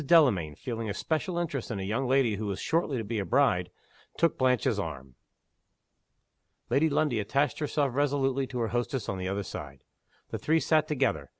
Delamayn, feeling a special interest in a young lady who was shortly to be a bride, took Blanche's arm. Lady Lundie attached herself resolutely to her hostess on the other side. The three sat together. Mrs.